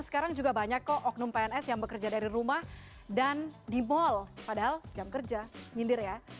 sekarang juga banyak kok oknum pns yang bekerja dari rumah dan di mal padahal jam kerja nyindir ya